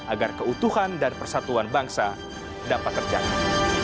agar keutuhan dan persatuan bangsa dapat terjaga